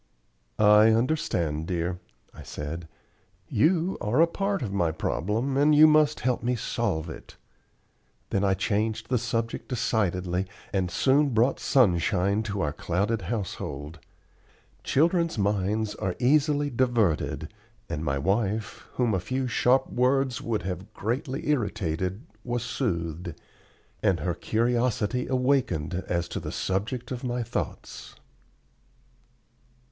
"I understand, dear," I said. "You are a part of my problem, and you must help me solve it." Then I changed the subject decidedly, and soon brought sunshine to our clouded household. Children's minds are easily diverted; and my wife, whom a few sharp words would have greatly irritated, was soothed, and her curiosity awakened as to the subject of my thoughts.